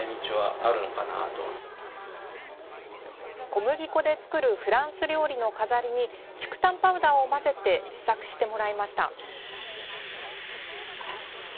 小麦粉で作るフランスの料理の飾りに竹炭パウダーを混ぜて試作してもらいました。